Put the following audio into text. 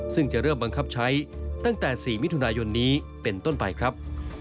ซึ่งจะเริ่มบังคับใช้ตั้งแต่๔มิถุนายนนี้เป็นต้นไปครับ